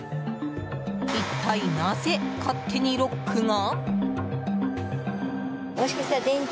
一体、なぜ勝手にロックが？